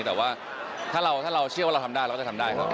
แต่ว่าถ้าเราเชื่อว่าเราทำได้เราก็จะทำได้ครับ